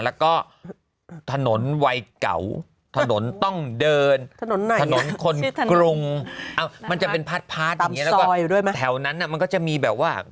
แล้วก็ถนนวัยเก่าถนนต้องเดินถนนคนกรุงมันจะเป็นพาร์ทอย่างนี้แล้วก็แถวนั้นมันก็จะมีแบบว่า